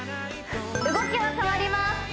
動きが変わります